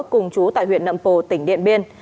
cùng chú tại huyện nậm pồ tỉnh điện biên